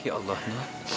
ya allah nun